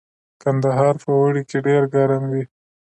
کندهار په اوړي کې ډیر ګرم وي